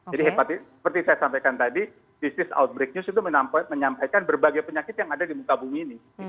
jadi seperti saya sampaikan tadi disease outbreak news itu menyampaikan berbagai penyakit yang ada di muka bumi ini